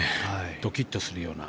ドキッとするような。